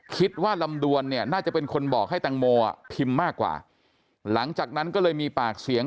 คิดว่าลำดวนเนี่ยน่าจะเป็นคนบอกให้แตงโมอ่ะพิมพ์มากกว่าหลังจากนั้นก็เลยมีปากเสียง